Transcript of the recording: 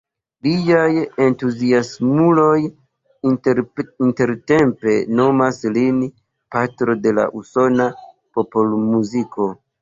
Liaj entuziasmuloj intertempe nomas lin „patro de la usona popolmuziko“.